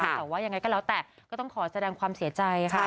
แต่ว่ายังไงก็แล้วแต่ก็ต้องขอแสดงความเสียใจค่ะ